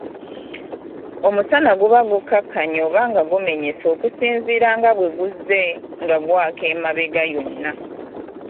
Omusana guba gukkakanye oba nga gumenyese okusinziira nga bwe guzze nga gwaka emabega yonna.